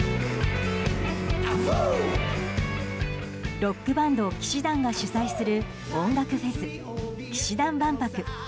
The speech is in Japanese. ロックバンド氣志團が主催する音楽フェス氣志團万博。